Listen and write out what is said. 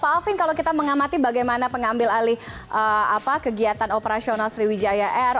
pak alvin kalau kita mengamati bagaimana pengambil alih kegiatan operasional sriwijaya air